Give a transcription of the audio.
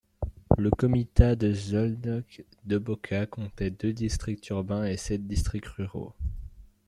Le comitat de Szolnok-Doboka comptait deux districts urbains et sept districts ruraux.